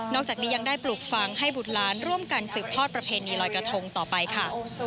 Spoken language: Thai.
จากนี้ยังได้ปลูกฟังให้บุตรล้านร่วมกันสืบทอดประเพณีลอยกระทงต่อไปค่ะ